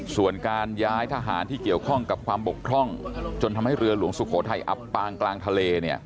ส่วนการย้ายทหารที่เกี่ยวข้องกับความบกพร่องจนทำให้เรือหลวงสุโขทัยอับปางกลางทะเล